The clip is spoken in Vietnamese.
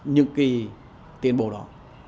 những cái tiến bộ đó